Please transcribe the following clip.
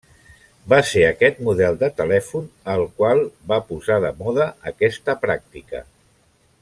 Va ser aquest model de telèfon el qual va posar de moda aquesta pràctica.